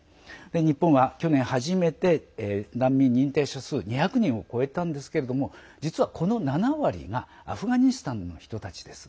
日本は、去年初めて難民認定者数が２００人を超えたんですが実はこの７割がアフガニスタンの人たちです。